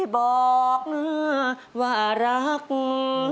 บอกนุ่ววารักงไม